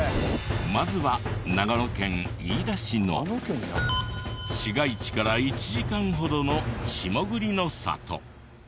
まずは長野県飯田市の市街地から１時間ほどの下栗の里。